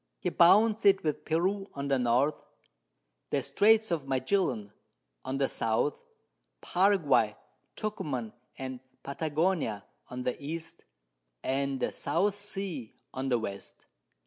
He bounds it with Peru on the North, the Straits of Magellan on the South, Paraguay, Tucuman, and Patagonia on the East, and the South Sea on the West.